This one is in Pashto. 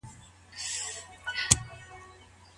باسواده مېرمن د ستونزو حل څنګه پيدا کوي؟